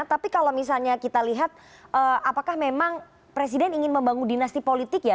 tapi kalau misalnya kita lihat apakah memang presiden ingin membangun dinasti politik ya